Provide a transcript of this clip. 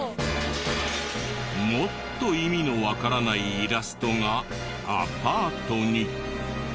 もっと意味のわからないイラストがアパートに。